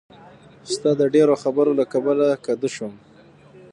ستا د ډېرو خبرو له کبله کدو شوم.